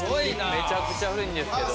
めちゃくちゃ古いんですけど。